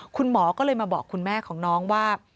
คุณหมอก็เลยมาบอกคุณแม่ของน้องว่า